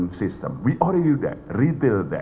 kami sudah melakukan itu menggunakan kewangan